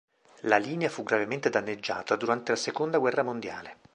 La linea fu gravemente danneggiata durante la seconda guerra mondiale.